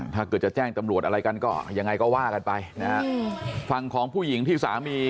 ถ้าเกิดจะแจ้งตำรวจอะไรกันก็ยังไงก็ว่ากันไปนะฮะ